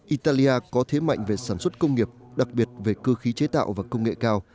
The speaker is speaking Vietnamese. italia có thế mạnh về sản xuất công nghiệp đặc biệt về cơ khí chế tạo và công nghệ cao